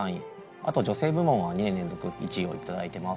あと女性部門は２年連続１位を頂いてます。